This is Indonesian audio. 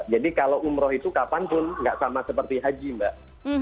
jadi kalau umroh itu kapan pun nggak sama seperti haji mbak